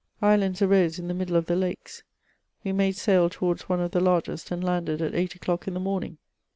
Islands arose in the middle of the lakes : we made sail towards one of the largest, and landed at eight o'clock in the morning.